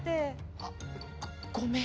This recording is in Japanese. あっごめん。